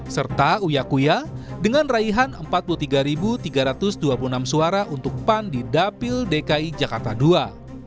serta uyakuya dengan raihan empat puluh tiga tiga ratus dua puluh enam suara untuk pan di dapil dki jakarta ii